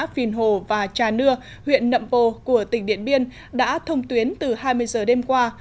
phìn hồ và trà nưa huyện nậm pồ của tỉnh điện biên đã thông tuyến từ hai mươi giờ đêm qua